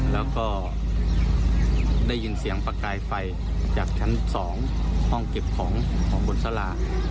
แล้วก็ได้ยินเสียงประกายไฟจากชั้น๒ห้องเก็บของของบนสารา